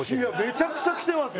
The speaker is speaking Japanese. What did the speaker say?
めちゃくちゃきてます。